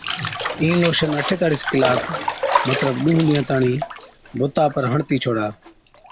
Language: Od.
اِين لوشن اَٺيتاڙِيس ڪلاڪ مطلب ڏُونه ڏِينهان تاڻِين بُتا پر هڻتِي ڇوڙا